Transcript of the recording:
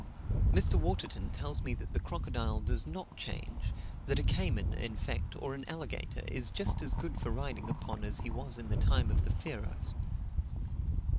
Mr. Waterton tells me that the crocodile does not change that a cayman, in fact, or an alligator, is just as good for riding upon as he was in the time of the Pharaohs.